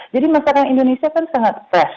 jadi masakan indonesia sangat fresh